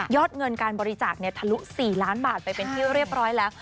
เงินการบริจาคทะลุ๔ล้านบาทไปเป็นที่เรียบร้อยแล้ว